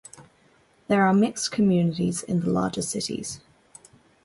There are mixed communities in the larger cities.